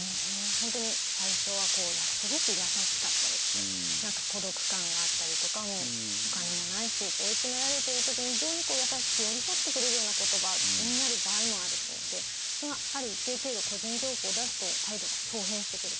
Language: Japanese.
本当に最初はすごく優しかったりして何か孤独感があったりとかお金もないしって追い詰められてる時に、非常に優しく寄り添ってくれるような言葉になる場合もあるそうでそれが、ある一定程度個人情報を出すと態度がひょう変してくると。